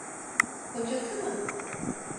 Kocası mı?